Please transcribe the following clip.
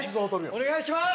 お願いします！